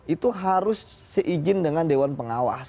itu harus seijin dengan dewan pengawas